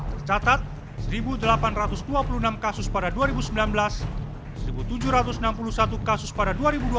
tercatat satu delapan ratus dua puluh enam kasus pada dua ribu sembilan belas satu tujuh ratus enam puluh satu kasus pada dua ribu dua puluh